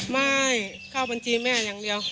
ไม่เข้ามันของตัวแม่อย่างเดียว